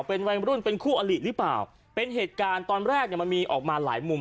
เป็นวัยรุ่นเป็นคู่อลิหรือเปล่าเป็นเหตุการณ์ตอนแรกเนี่ยมันมีออกมาหลายมุม